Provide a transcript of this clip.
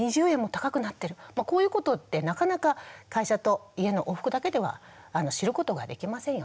こういうことってなかなか会社と家の往復だけでは知ることができませんよね。